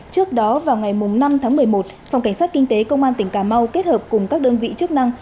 trước đó vào ngày năm tháng một mươi một phòng cảnh sát kinh tế công an tỉnh cà mau kết hợp cùng các đơn vị chức năng